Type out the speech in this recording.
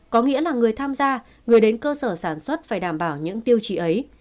có nghĩa là người tham gia người đến cơ sở sản xuất phải đảm bảo những tiêu chí ấy